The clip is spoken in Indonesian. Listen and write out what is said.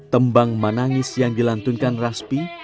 tembang menangis yang dilantunkan raspi